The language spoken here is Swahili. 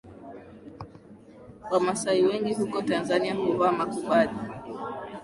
Wamasai wengi huko Tanzania huvaa makubadhi